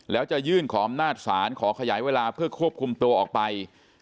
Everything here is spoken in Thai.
แล้วจะยื่นขออำนาจศาลขอขยายเวลาเพื่อควบคุมตัวออกไป